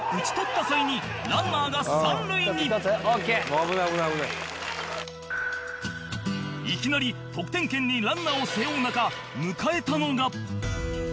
「危ない危ない危ない」いきなり得点圏にランナーを背負う中迎えたのが